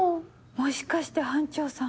もしかして班長さん